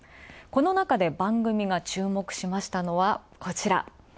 このなかで番組が注目しましたのは、こちら。